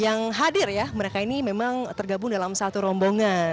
yang hadir ya mereka ini memang tergabung dalam satu rombongan